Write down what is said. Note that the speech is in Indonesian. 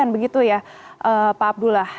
begitu ya pak abdullah